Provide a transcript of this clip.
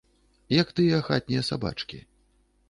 Як тыя хатнія сабачкі.